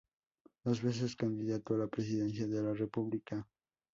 Dos veces candidato a la presidencia de la República.